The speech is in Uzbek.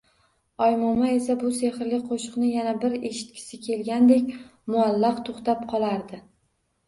Oymoma esa bu sehrli qo‘shiqni yana bir eshitgisi kelgandek, muallaq to‘xtab qolardi.